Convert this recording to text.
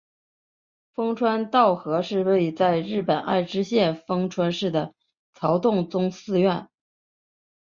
丰川稻荷是位在日本爱知县丰川市的曹洞宗寺院。